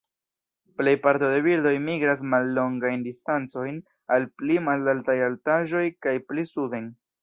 Plej parto de birdoj migras mallongajn distancojn al pli malaltaj altaĵoj kaj pli suden.